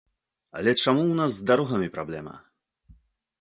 Але чаму ў нас з дарогамі праблема?